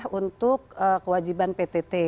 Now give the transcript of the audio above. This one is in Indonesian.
pemerintah untuk kewajiban ptt